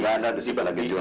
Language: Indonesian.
ada di sini lagi jualan